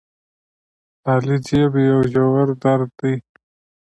خالي جب يو ژور درد دې